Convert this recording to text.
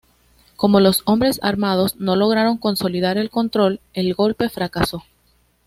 Como los hombres armados no lograron consolidar el control, el golpe fracasó.